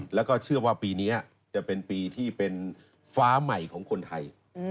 แล้วก็เชื่อว่าปีนี้จะเป็นปีที่เป็นฟ้าใหม่ของคนไทย